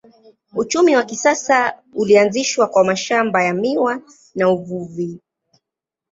Uchumi wa kisasa ulianzishwa kwa mashamba ya miwa na uvuvi.